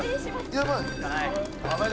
やばい！